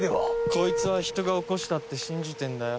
こいつは人が起こしたって信じてんだよ。